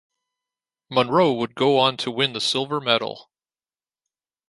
Munro would go on to win the Silver medal.